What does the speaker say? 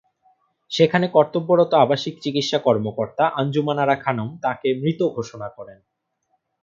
সেখানে কর্তব্যরত আবাসিক চিকিৎসা কর্মকর্তা আনজুমান আরা খানম তাঁকে মৃত ঘোষণা করেন।